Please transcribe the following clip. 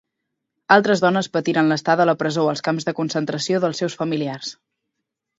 Altres dones patiren l'estada a la presó o als camps de concentració dels seus familiars.